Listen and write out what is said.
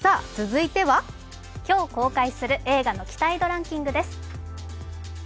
今日公開する映画の期待度ランキングです。